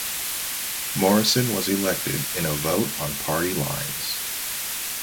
Morrison was elected in a vote on party lines.